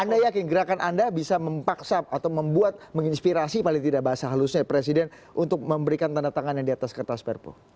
anda yakin gerakan anda bisa memaksa atau membuat menginspirasi paling tidak bahasa halusnya presiden untuk memberikan tanda tangan yang di atas kertas perpu